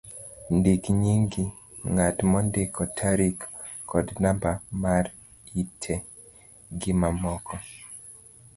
ndik nying' ng'at mondike, tarik, kod namba mar ite, gi mamoko